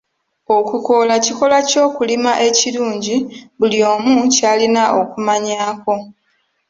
Okukoola kikolwa ky'okulima ekirungi buli omu kyalina okumanyaako.